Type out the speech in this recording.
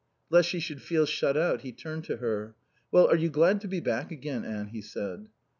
Lest she should feel shut out he turned to her. "Well, are you glad to be back again, Anne?" he said.